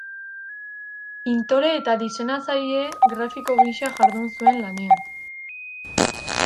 Pintore eta diseinatzaile grafiko gisa jardun zuen lanean.